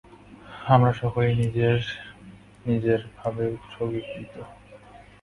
আমরা সকলেই নিজের নিজের ভাবে উৎসর্গীকৃত।